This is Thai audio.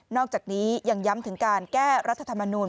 อกจากนี้ยังย้ำถึงการแก้รัฐธรรมนูล